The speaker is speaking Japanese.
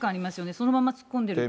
そのまま突っ込んでるっていう。